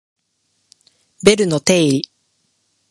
ベルの定理